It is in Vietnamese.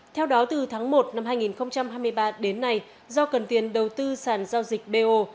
theo đó từ tháng một năm hai nghìn hai mươi ba đến nay do cần tiền đầu tư sàn giao dịch bo